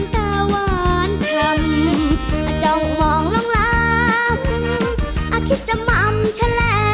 ขอบคุณจ้า